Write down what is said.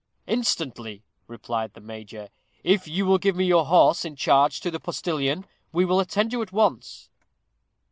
"Instantly," replied the major. "If you will give your horse in charge to the postilion, we will attend you at once."